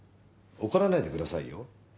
怒らないでくださいよ。